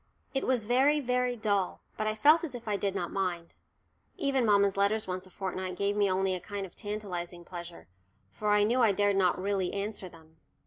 It was very, very dull, but I felt as if I did not mind. Even mamma's letters once a fortnight gave me only a kind of tantalising pleasure, for I knew I dared not really answer them.